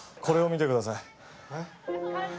これを見てください。